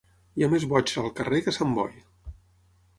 Hi ha més boigs al carrer que a Sant Boi.